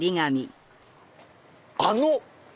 「あの」！